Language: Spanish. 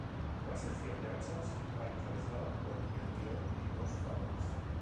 La sección de hachas, va encabezada por el Guion y dos faroles.